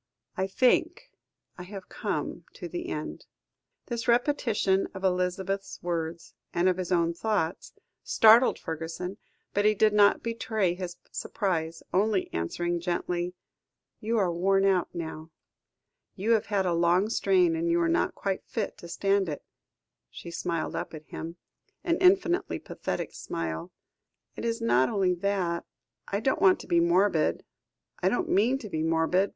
"I think I have come to the end." This repetition of Elizabeth's words, and of his own thoughts, startled Fergusson, but he did not betray his surprise, only answering gently "You are worn out now. You have had a long strain, and you were not quite fit to stand it." She smiled up at him, an infinitely pathetic smile. "It is not only that. I don't want to be morbid. I don't mean to be morbid.